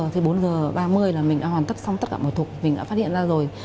thì bốn giờ ba mươi là mình đã hoàn tất xong tất cả mọi thuộc mình đã phát hiện ra rồi